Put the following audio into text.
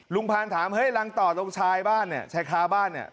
พานถามเฮ้ยรังต่อตรงชายบ้านเนี่ยชายค้าบ้านเนี่ย